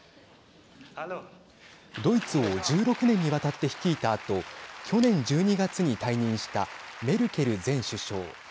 ドイツを１６年にわたって率いたあと去年１２月に退任したメルケル前首相。